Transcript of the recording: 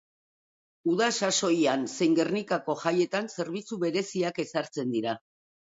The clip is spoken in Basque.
Uda sasoian zein Gernikako jaietan zerbitzu bereziak ezartzen dira.